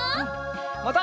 また。